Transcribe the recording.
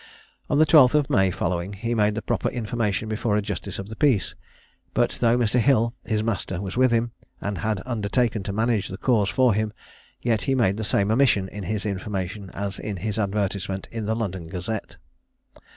On the 12th of May following, he made the proper information before a justice of the peace; but though Mr. Hill, his master, was with him, and had undertaken to manage the cause for him, yet he made the same omission in his information as in his advertisement in the London Gazette.